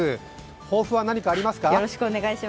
抱負は何かありますか？